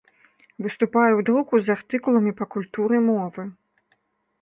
Выступае ў друку з артыкуламі па культуры мовы.